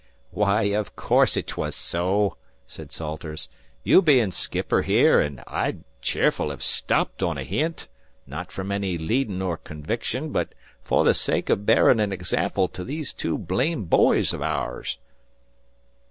"Why, o' course it was so," said Salters, "you bein' skipper here; an' I'd cheerful hev stopped on a hint not from any leadin' or conviction, but fer the sake o' bearin' an example to these two blame boys of aours."